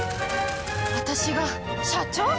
私が社長⁉